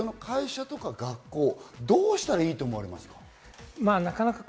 水野先生、会社とか学校、どうしたらいいと思われますか？